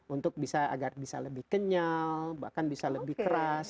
untuk bisa agar bisa lebih kenyal bahkan bisa lebih keras